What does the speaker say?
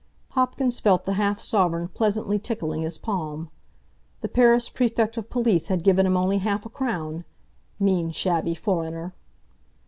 Hopkins felt the half sovereign pleasantly tickling his palm. The Paris Prefect of Police had given him only half a crown—mean, shabby foreigner!